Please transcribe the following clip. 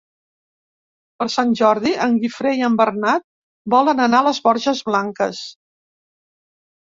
Per Sant Jordi en Guifré i en Bernat volen anar a les Borges Blanques.